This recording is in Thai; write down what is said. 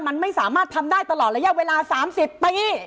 มันไม่สามารถทำได้ตลอดระยะเวลา๓๐ปี